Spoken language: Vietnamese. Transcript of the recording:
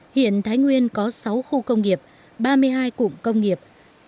hiện thái nguyên có sáu khu công nghiệp ba mươi hai cụm công nghiệp